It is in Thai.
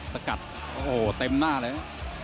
สกัดโอ้โหเต็มหน้าเลยครับ